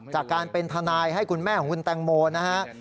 จากการเป็นทนายให้คุณแม่ของคุณแตงโมนะฮะ